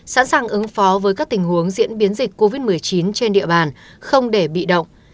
sẵn sàng ứng phó với các tình huống diễn biến dịch covid một mươi chín trên địa bàn không để bị động